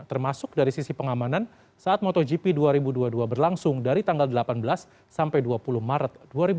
termasuk dari sisi pengamanan saat motogp dua ribu dua puluh dua berlangsung dari tanggal delapan belas sampai dua puluh maret dua ribu dua puluh